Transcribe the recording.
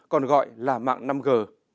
còn gọi là mạng năm g